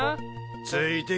ついてき。